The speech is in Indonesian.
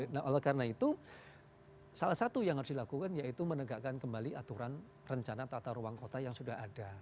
nah oleh karena itu salah satu yang harus dilakukan yaitu menegakkan kembali aturan rencana tata ruang kota yang sudah ada